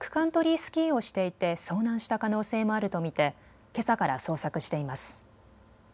スキーをしていて遭難した可能性もあると見てけさから捜索しています。